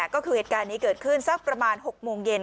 ก็คือเหตุการณ์นี้เกิดขึ้นสักประมาณ๖โมงเย็น